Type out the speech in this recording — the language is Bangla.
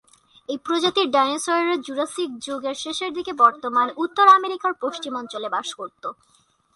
এই প্রজাতির ডাইনোসরেরা জুরাসিক যুগ এর শেষের দিকে বর্তমান উত্তর আমেরিকার পশ্চিমাঞ্চলে বাস করত।